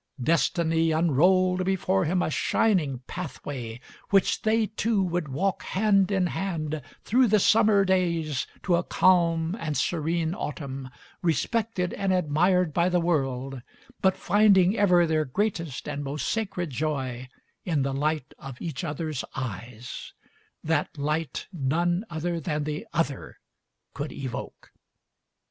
Destiny unrolled before him a shining pathway which they two would walk hand in hand through the summer days to a calm and serene autumn, respected and admired by the world, but finding ever their greatest and most sacred joy in the light of each other's eyes — that light none other than the other could evoke.